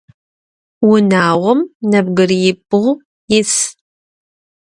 Унагъом нэбгырибгъу ис.